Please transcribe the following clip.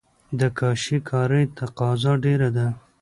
د کاشي کارۍ تقاضا ډیره ده